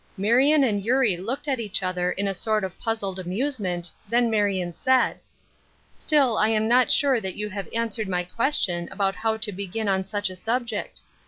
Marion and Eurie looked at each other in a sort of puzzled amusement, then Marion said :" Still I am not sure that you have answered my question about how to begin on such a sub ject.